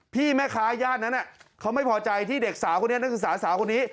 พี่แม่ค้าย่านนั้นเขาไม่พอใจที่เด็กสาวคนนี้นักศึกษาสาวคนนี้